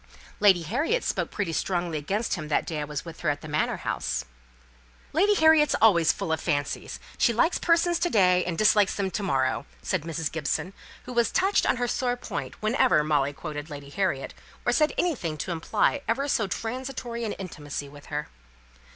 "Lady Harriet spoke pretty strongly against him that day I was with her at the Manor house." "Lady Harriet's always full of fancies: she likes persons to day, and dislikes them to morrow," said Mrs. Gibson, who was touched on her sore point whenever Molly quoted Lady Harriet, or said anything to imply ever so transitory an intimacy with her.